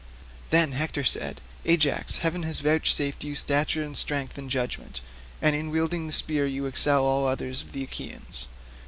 Then Hector said, "Ajax, heaven has vouchsafed you stature and strength, and judgement; and in wielding the spear you excel all others of the Achaeans.